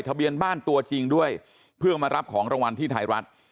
ทะเบียนบ้านตัวจริงด้วยเพื่อมารับของรางวัลที่ไทยรัฐ